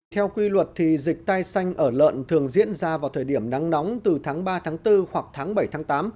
theo quy luật dịch tai xanh ở lợn thường diễn ra vào thời điểm nắng nóng từ tháng ba tháng bốn hoặc tháng bảy tháng tám